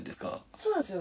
そうなんですよ。